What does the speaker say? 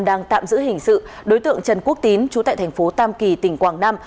đang tạm giữ hình sự đối tượng trần quốc tín trú tại thành phố tam kỳ tỉnh quảng nam